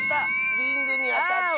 リングにあたった！